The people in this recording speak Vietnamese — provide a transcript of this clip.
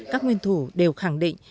các nguyên thủ đều khẳng định